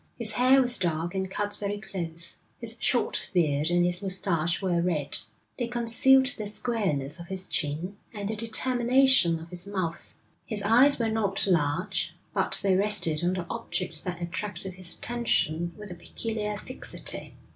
His hair was dark and cut very close. His short beard and his moustache were red. They concealed the squareness of his chin and the determination of his mouth. His eyes were not large, but they rested on the object that attracted his attention with a peculiar fixity.